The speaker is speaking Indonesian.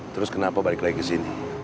terus kenapa balik lagi ke sini